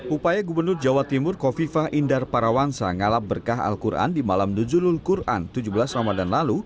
upaya gubernur jawa timur kofifah indar parawansa ngalap berkah al quran di malam nuzulul quran tujuh belas ramadan lalu